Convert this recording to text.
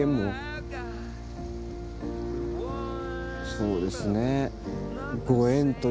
そうですね。